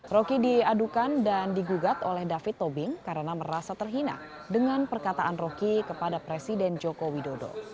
roky diadukan dan digugat oleh david tobing karena merasa terhina dengan perkataan roky kepada presiden joko widodo